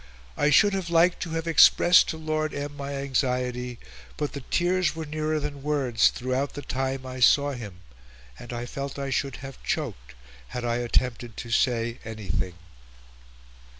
I should have liked to have expressed to Lord M. my anxiety, but the tears were nearer than words throughout the time I saw him, and I felt I should have choked, had I attempted to say anything."